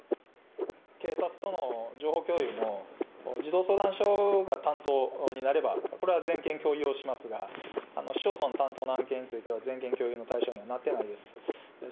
警察との情報共有も、児童相談所が担当になれば、これは全件共有をしますが、市町村担当の案件については、全件共有の対象になってないです。